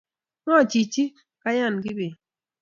"Ngo chichi?"koyaan kibet